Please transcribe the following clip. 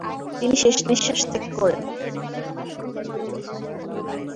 তিনি শেষ নিশ্বাস ত্যাগ করেন।